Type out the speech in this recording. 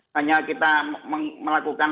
hanya kita melakukan